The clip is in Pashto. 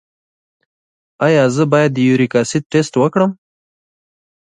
ایا زه باید د یوریک اسید ټسټ وکړم؟